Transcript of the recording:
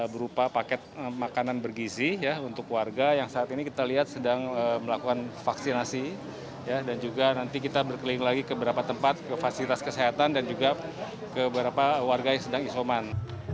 berupa paket makanan bergizi ya untuk warga yang saat ini kita lihat sedang melakukan vaksinasi dan juga nanti kita berkeliling lagi ke beberapa tempat ke fasilitas kesehatan dan juga ke beberapa warga yang sedang isoman